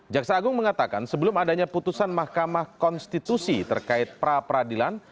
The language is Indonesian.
jaksa agung mengatakan sebelum adanya putusan mahkamah konstitusi terkait pra peradilan